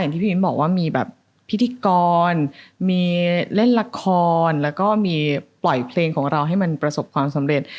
ที่พี่มิ้นบอกว่ามีแบบพิธีกรมีเล่นละครแล้วก็มีปล่อยเพลงของเราให้มันประสบความสำเร็จ